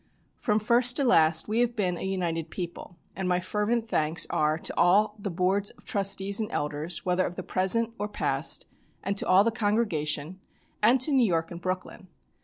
"From first to last we have been a united people, and my fervent thanks are to all the Boards of Trustees and Elders, whether of the present or past, and to all the congregation, and to New York and Brooklyn.